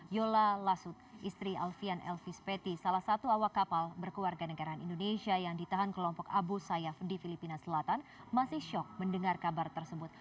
yola lasut istri alfian elvis petty salah satu awak kapal berkeluarga negara indonesia yang ditahan kelompok abu sayyaf di filipina selatan masih syok mendengar kabar tersebut